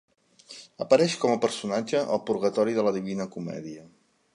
Apareix com a personatge al purgatori de La Divina Comèdia.